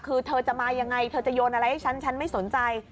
คือเธอจะมายังไงเธอจะโยนอะไรให้ฉันฉันไม่สนใจ